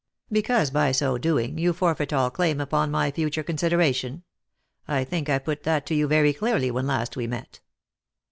" Because by so doing you forfeit all claim upon my future consideration. I think I put that to you very clearly when last ■we met."